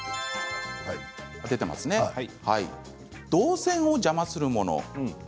動線を邪魔するもの